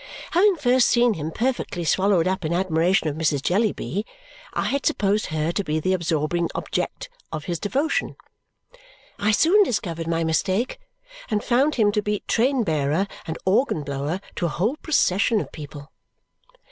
Having first seen him perfectly swallowed up in admiration of Mrs. Jellyby, I had supposed her to be the absorbing object of his devotion. I soon discovered my mistake and found him to be train bearer and organ blower to a whole procession of people.